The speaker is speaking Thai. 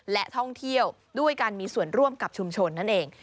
และท่องเที่ยวด้วยการมีส่วนร่วมกับชุมชนนั่นเอง